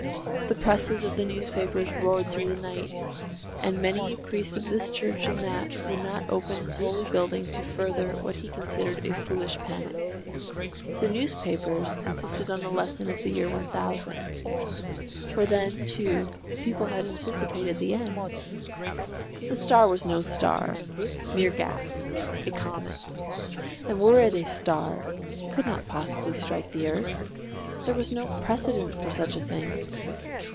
The presses of the newspapers roared through the night, and many a priest of this church and that would not open his holy building to further what he considered a foolish panic. The newspapers insisted on the lesson of the year 1000—for then, too, people had anticipated the end. The star was no star—mere gas—a comet; and were it a star it could not possibly strike the earth. There was no precedent for such a thing.